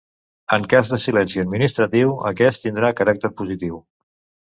En cas de silenci administratiu aquest tindrà caràcter positiu.